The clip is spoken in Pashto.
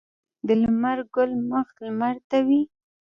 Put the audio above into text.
د لمر ګل مخ لمر ته وي